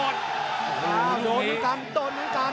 โดนเหมือนกันโดนเหมือนกัน